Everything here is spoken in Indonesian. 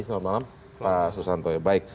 selamat malam pak susanto